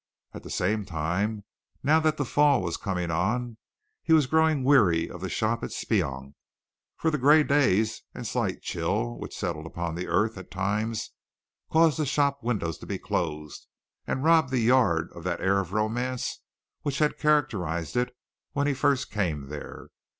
At the same time, now that the fall was coming on, he was growing weary of the shop at Speonk, for the gray days and slight chill which settled upon the earth at times caused the shop windows to be closed and robbed the yard of that air of romance which had characterized it when he first came there.